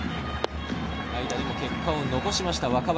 代打でも結果を残しました若林。